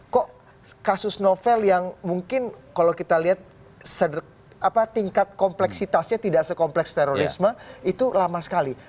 kok kasus novel yang mungkin kalau kita lihat tingkat kompleksitasnya tidak sekompleks terorisme itu lama sekali